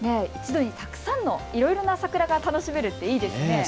一度にたくさんのいろいろな桜が楽しめるって、いいですね。